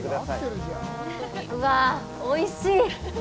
うわ、おいしい。